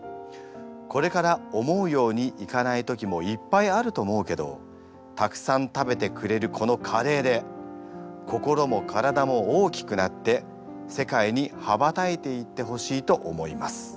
これから思うようにいかない時もいっぱいあると思うけどたくさん食べてくれるこのカレーで心も体も大きくなって世界に羽ばたいていってほしいと思います。